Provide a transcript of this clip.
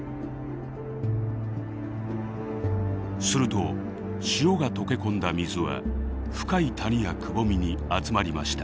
すると塩が溶け込んだ水は深い谷やくぼみに集まりました。